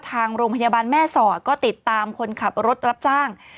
ทางโรงพยาบาลแม่สอดก็ติดตามคนขับรถรับจ้าง